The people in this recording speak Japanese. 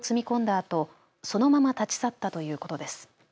あとそのまま立ち去ったということです。